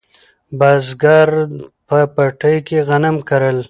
بزګر په پټي کې غنم کرل